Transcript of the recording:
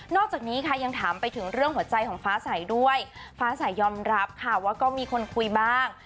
อกจากนี้ค่ะยังถามไปถึงเรื่องหัวใจของฟ้าใสด้วยฟ้าสายยอมรับค่ะว่าก็มีคนคุยบ้าง